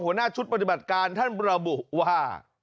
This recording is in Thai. หัวหน้าชุดปฏิบัติการท่านระบุว่า